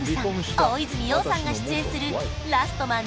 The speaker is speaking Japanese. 大泉洋さんが出演する「ラストマン」